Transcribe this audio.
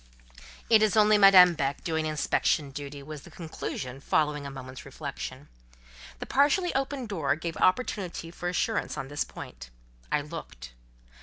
"It is only Madame Beck doing inspection duty," was the conclusion following a moment's reflection. The partially opened door gave opportunity for assurance on this point. I looked.